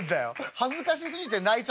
恥ずかしすぎて泣いちゃったのか？」。